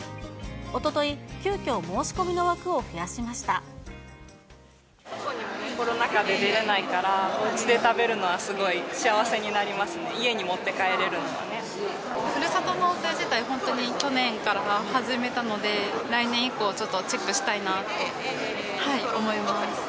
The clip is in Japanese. おととい、急きょ、申し込みの枠コロナ禍で出れないから、おうちで食べるのはすごい幸せになりますね、家に持って帰れるのふるさと納税自体、本当に去年から始めたので、来年以降、ちょっとチェックしたいなと思います。